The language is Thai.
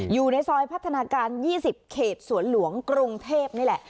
อยู่ในซอยพัฒนาการ๒๐เขตสวนหลวงกรุงเทพนี่แหละ